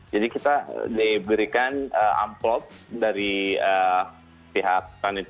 jadi kita diberikan amplop dari pihak planet